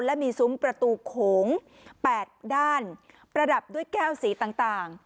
และมีซุ้มประตูโขง๘ด้านประดับด้วยแก้วสีต่าง